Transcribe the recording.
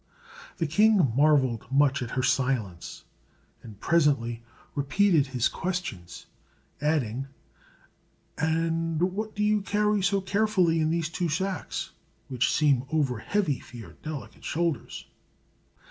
The king marvelled much at her silence, and presently repeated his questions, adding, "And what do you carry so carefully in those two sacks, which seem over heavy for your delicate shoulders?"